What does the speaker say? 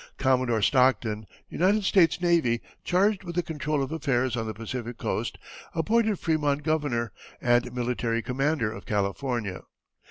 Commodore Stockton, United States Navy, charged with the control of affairs on the Pacific Coast, appointed Frémont Governor and military commander of California.